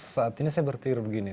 saat ini saya berpikir begini